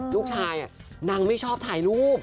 ลูกชายนางไม่ชอบถ่ายรูป